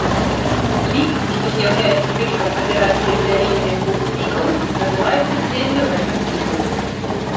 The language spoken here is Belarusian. Лік, што з'яўляецца вынікам аперацыі дзялення двух лікаў, называецца дзеллю гэтых лікаў.